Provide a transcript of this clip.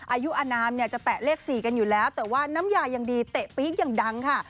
อายุอนามเนี่ยจะแตะเลข๔กันอยู่แล้วแต่ว่าน้ำยายังดีเตะปี๊กอย่างดังค่ะ